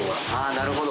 なるほど。